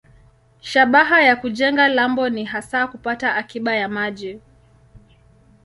Shabaha ya kujenga lambo ni hasa kupata akiba ya maji.